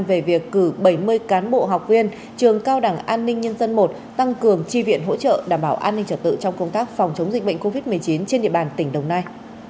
về việc cử bảy mươi cán bộ học viên trường cao đẳng an ninh nhân dân i tăng cường tri viện hỗ trợ đảm bảo an ninh trật tự trong công tác phòng chống dịch bệnh covid một mươi chín trên địa bàn tỉnh đồng nai